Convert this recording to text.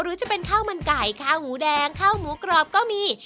หรือจะเป็นข้าวมันไก่ข้าวหมูแดงข้าวหมูกรอบก็มี